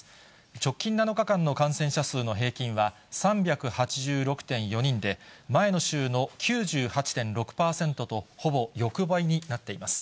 直近７日間の感染者数の平均は、３８６．４人で、前の週の９８．６％と、ほぼ横ばいになっています。